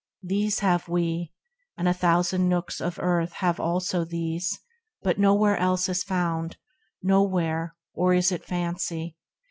These have we, and a thousand nooks of earth Have also these, but nowhere else is found, Nowhere (or is it fancy